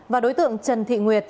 và đối tượng trần thị nguyệt